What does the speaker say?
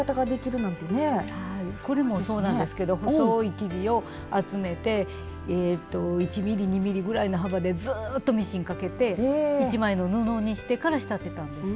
すごいですね。これもそうなんですけど細い生地を集めて１ｍｍ２ｍｍぐらいの幅でずっとミシンかけて１枚の布にしてから仕立てたんです。